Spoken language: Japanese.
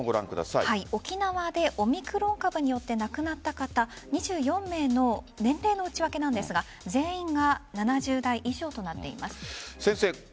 沖縄でオミクロン株によって亡くなった方２４例の年齢の内訳なんですが全員が７０代以上となっています。